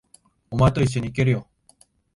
お前と一緒に行けるよ。